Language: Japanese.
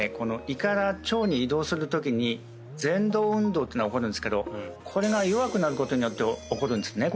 胃から腸に移動するときに蠕動運動っていうのが起こるんですけどこれが弱くなることによって起こるんですね